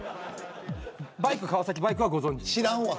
バイク川崎バイクはご存じ。